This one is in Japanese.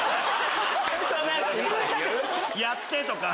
「やって」とか。